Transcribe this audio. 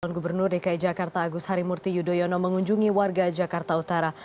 gubernur dki jakarta agus harimurti yudhoyono mengunjungi warga jakarta utara